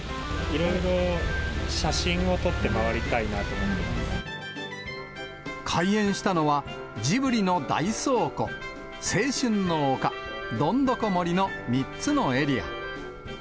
いろいろ写真を撮って回りた開園したのは、ジブリの大倉庫、青春の丘、どんどこ森の３つのエリア。